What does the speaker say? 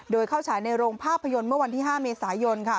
โดยเข้าฉายในโรงภาพยนตร์เมื่อวันที่๕เมษายน